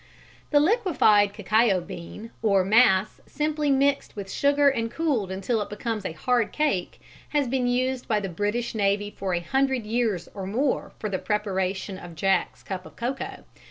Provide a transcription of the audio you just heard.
_ The liquified cacao bean or "mass," simply mixed with sugar and cooled until it becomes a hard cake, has been used by the British Navy for a hundred years or more for the preparation of Jack's cup of cocoa.